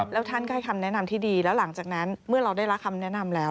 แล้วท่านก็ให้คำแนะนำที่ดีแล้วหลังจากนั้นเมื่อเราได้รับคำแนะนำแล้ว